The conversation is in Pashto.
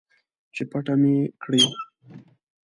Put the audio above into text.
چې پټه مې کړي